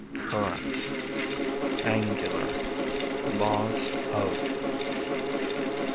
Currents, Angular, Laws of. 1.